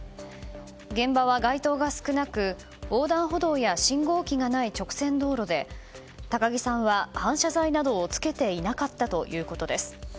現場は街灯が少なく横断歩道や信号機がない直線道路で高木さんは反射材などをつけていなかったということです。